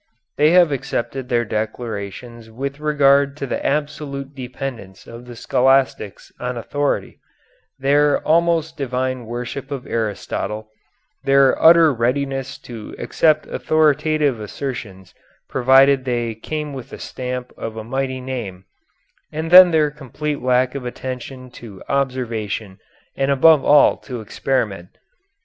They have accepted declarations with regard to the absolute dependence of the scholastics on authority, their almost divine worship of Aristotle, their utter readiness to accept authoritative assertions provided they came with the stamp of a mighty name, and then their complete lack of attention to observation and above all to experiment.